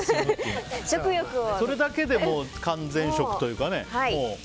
それだけで完全食というかね。